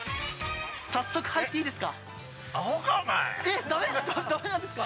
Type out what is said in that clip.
早速入っていいですか。